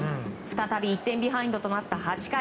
再び１点ビハインドとなった８回